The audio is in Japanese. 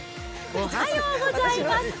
おはようございます。